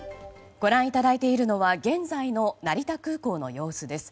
ご覧いただいているのは現在の成田空港の様子です。